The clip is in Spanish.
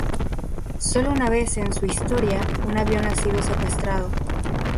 Sólo una vez en su historia un avión ha sido secuestrado.